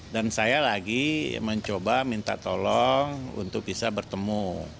dan saya lagi mencoba minta tolong untuk bisa bertemu